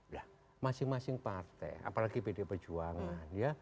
nah masing masing partai apalagi pd perjuangan ya